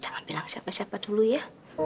jangan bilang siapa siapa dulu ya